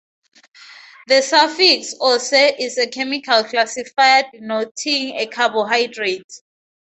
The suffix "-ose" is a chemical classifier, denoting a carbohydrate.